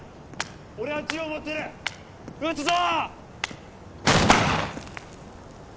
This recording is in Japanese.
俺は銃を持っている撃つぞ！